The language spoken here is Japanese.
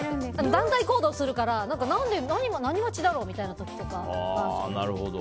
団体行動するから今、何待ちだろうみたいな時とか。